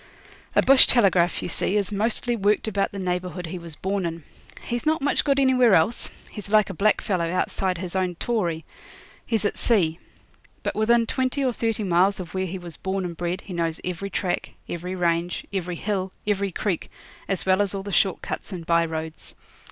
A bush telegraph, you see, is mostly worked about the neighbourhood he was born in. He's not much good anywhere else. He's like a blackfellow outside of his own 'tauri'. He's at sea. But within twenty or thirty miles of where he was born and bred he knows every track, every range, every hill, every creek, as well as all the short cuts and by roads.